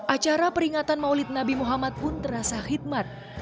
acara peringatan maulid nabi muhammad pun terasa hikmat